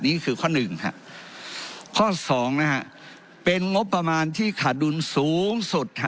นี่คือข้อหนึ่งข้อ๒นะฮะเป็นงบประมาณที่ขาดดุลสูงสุด